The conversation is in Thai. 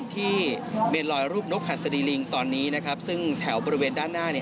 เมนลอยรูปนกหัสดีลิงตอนนี้นะครับซึ่งแถวบริเวณด้านหน้าเนี่ย